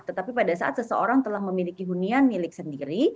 tetapi pada saat seseorang telah memiliki hunian milik sendiri